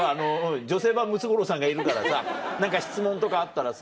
女性版ムツゴロウさんがいるから何か質問とかあったらさ。